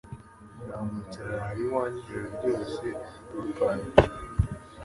Namuretse arara iwanjye ijoro ryose bluepie